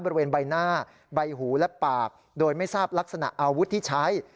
บริเวณใบหน้าใบหูและปากโดยไม่ทราบลักษณะอาวุธที่ใช้